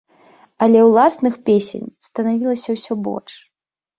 Але ўласных песень станавілася ўсё больш.